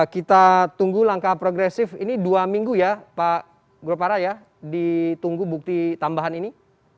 kita tunggu langkah progresif ini dua minggu ya pak gropara ya ditunggu bukti tambahan ini